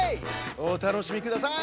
おたのしみください！